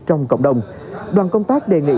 trong cộng đồng đoàn công tác đề nghị